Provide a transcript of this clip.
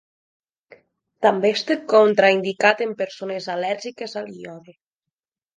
També està contraindicat en persones al·lèrgiques al iode.